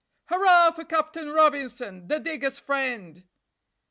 "Hurrah for Captain Robinson, the diggers' friend."